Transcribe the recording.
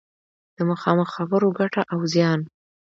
د مخامخ خبرو ګټه او زیان